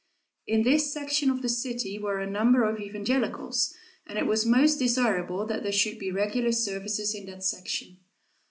In this section of the city were a number of evangelicals and it was most desirable that there should be regular services in that section.